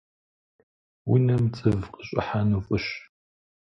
Унэм цӏыв къыщӏыхьэну фӏыщ.